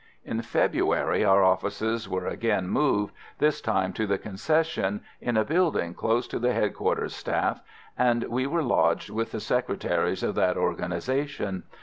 In February our offices were again moved, this time to the Concession, in a building close to the Headquarters Staff, and we were lodged with the secretaries of that organisation.